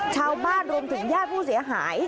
ชาวบ้านรวมถึงญาติผู้เสียหาย